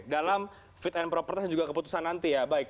dalam fit and propertas juga keputusan nanti ya baik